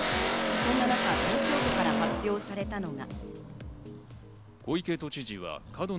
そんな中、東京都から発表されたのが。